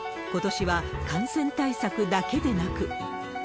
ことしは感染対策だけでなく。